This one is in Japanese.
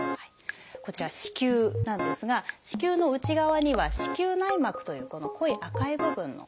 こちら「子宮」なんですが子宮の内側には「子宮内膜」というこの濃い赤い部分の膜があります。